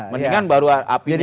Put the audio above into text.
mendingan baru apinya meredit